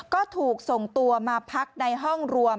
ก็ถูกส่งตัวมาพักในห้องรวม